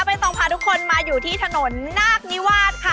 ต้องพาทุกคนมาอยู่ที่ถนนนาคนิวาสค่ะ